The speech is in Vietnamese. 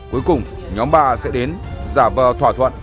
cuối cùng nhóm ba sẽ đến giả vờ thỏa thuận